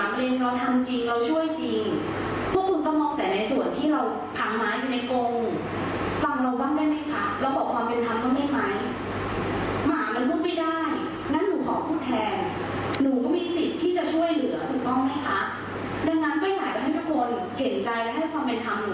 ดังนั้นก็อยากจะให้ทุกคนเห็นใจและให้ความเป็นธรรมหนูบ้าง